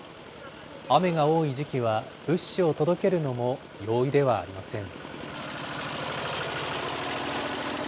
雨が多い時期は物資を届けるのも容易ではありません。